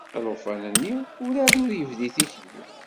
Alufan-nni werɛad ur yebdi tikli.